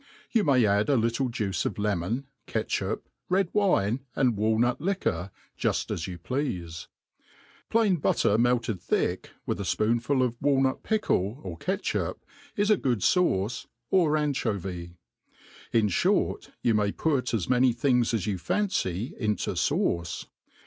You may add a little juice of a lemon, catchup, Dcd wine, and walnut*liquor, fuft as you pleafe* Plain butter melted thick, with a fpoonful of walnut pickle, or catchup, is good fauce, or anchpvy : in ihort you may put as many things as y6u fancy into fauce.